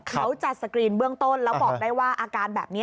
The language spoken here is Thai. เขาจะสกรีนเบื้องต้นแล้วบอกได้ว่าอาการแบบนี้